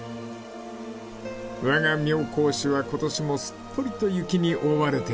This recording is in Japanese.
［わが妙高市は今年もすっぽりと雪に覆われている］